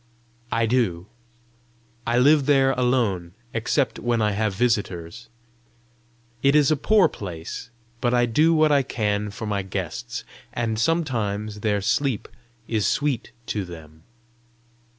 "I do. I live there alone, except when I have visitors. It is a poor place, but I do what I can for my guests, and sometimes their sleep is sweet to them."